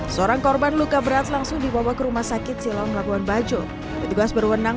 seorang korban luka berat langsung dibawa ke rumah sakit siloam labuan bajo petugas berwenang